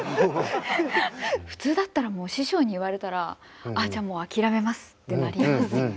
普通だったらもう師匠に言われたらああじゃあもう諦めますってなりますよね。